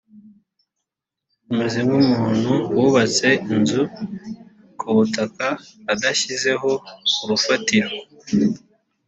ameze nk umuntu wubatse inzu ku butaka adashyizeho urufatiro